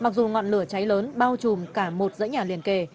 mặc dù ngọn lửa cháy lớn bao trùm cả một dãy nhà liền kề